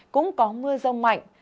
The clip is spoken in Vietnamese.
cũng có mưa rông mạnh